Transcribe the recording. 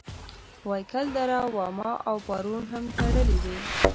وایګل دره واما او پارون هم تړلې وې.